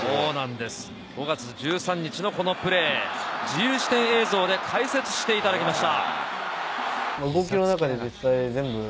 ５月１３日のこのプレー、自由視点映像で解説してもらいました。